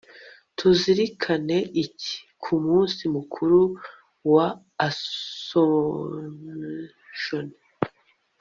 tuzirikana iki ku munsi mukuru wa assomption